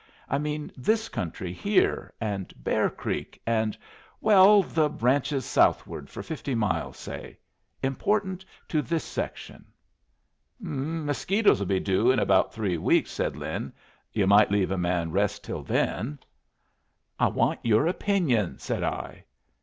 "I mean this country here, and Bear Creek, and well, the ranches southward for fifty miles, say. Important to this section." "Mosquitoes'll be due in about three weeks," said Lin. "Yu' might leave a man rest till then." "I want your opinion," said I.